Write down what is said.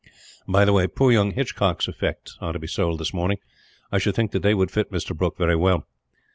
"By the way, poor young Hitchcock's effects are to be sold this morning. I should think that they would fit Mr. Brooke very well.